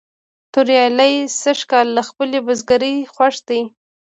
توریالی سږ کال له خپلې بزگرۍ خوښ دی.